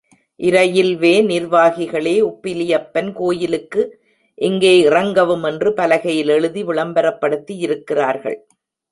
Railway நிர்வாகிகளே உப்பிலியப்பன் கோயிலுக்கு இங்கே இறங்கவும் என்று பலகையில் எழுதி விளம்பரப்படுத்தி யிருக்கிறார்கள்.